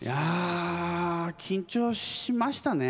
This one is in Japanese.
緊張しましたね。